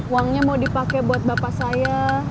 uangnya mau dipakai buat bapak saya